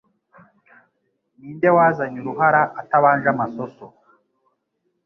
Ninde wazanye uruhara atabanje amasoso